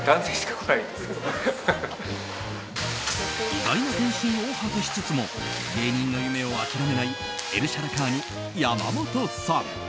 意外な転身を果たしつつも芸人の夢を諦めないエルシャラカーニ山本さん。